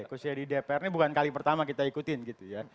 khususnya di dpr ini bukan kali pertama kita ikutin gitu ya